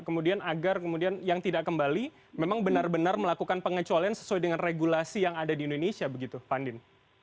kemudian agar kemudian yang tidak kembali memang benar benar melakukan pengecualian sesuai dengan regulasi yang ada di indonesia begitu pak andin